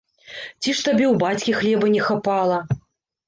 Ці ж табе ў бацькі хлеба не хапала!